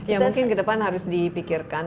ya mungkin kedepan harus dipikirkan